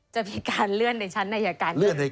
จะมีการเลื่อนในชั้นในยาการเลื่อนได้ไหม